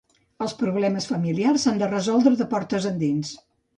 Els problemes familiars s'han de resoldre de portes endins.